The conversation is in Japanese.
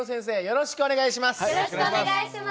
よろしくお願いします。